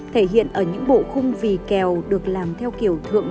thể hiện ở những bộ khung vì kèo được làm theo kiểu thượng